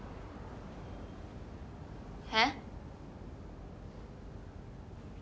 えっ？